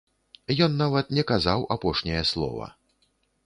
Ён нават не казаў апошняе слова.